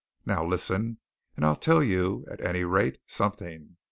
Now listen, and I'll tell you, at any rate, something.